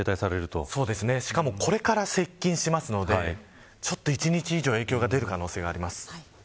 しかも、これから接近するので１日以上影響が出る可能性があります。